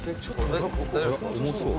重そう。